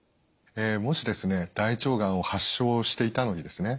もし大腸がんを発症していたのにですね